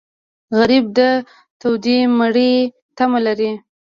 غریب د تودې مړۍ تمه لري